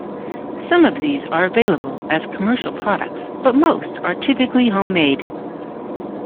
Some of these are available as commercial products, but most are typically home-made.